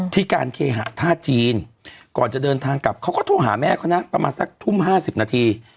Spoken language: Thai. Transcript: ที่การเคหะท่าจีนก่อนจะเดินทางกลับเขาก็โทรหาแม่เขานะประมาณสักทุ่ม๕๐นาที